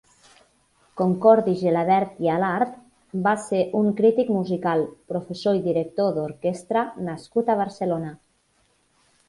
Concordi Gelabert i Alart va ser un crític musical, professor i director d'orquestra nascut a Barcelona.